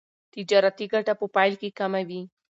تجارتي ګټه په پیل کې کمه وي.